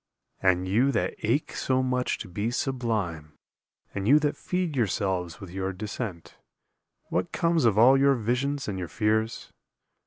And you that ache so much to be sublime, And you that feed yourselves with your descent, What comes of all your visions and your fears?